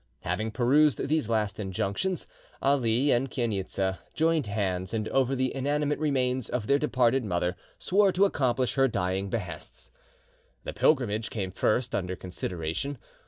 Having perused these last injunctions, Ali and Chainitza joined hands, and over the inanimate remains of their departed mother swore to accomplish her dying behests. The pilgrimage came first under consideration.